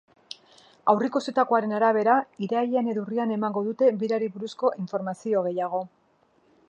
Aurreikusitakoaren arabera, irailean edo urrian emango dute birari buruzko informazio gehiago.